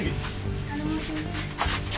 お頼申します。